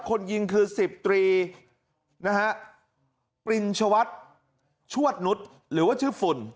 คนยิงคือ๑๐ตรีนะฮะปริญชวัฒน์ชวดนุษย์หรือว่าชื่อฝุ่น